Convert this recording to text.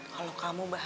kalau kamu bahagia